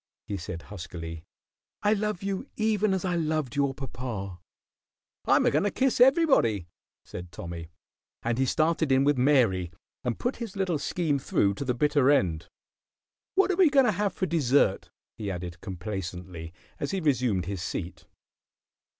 he said, huskily. "I love you even as I loved your papa." "I'm a goin' to kiss everybody," said Tommy; and he started in with Mary and put his little scheme through to the bitter end. "What are we going to have for dessert?" he added, complacently, as he resumed his seat.